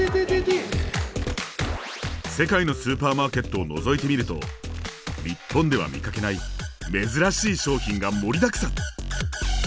世界のスーパーマーケットをのぞいてみると日本では見かけない珍しい商品が盛りだくさん！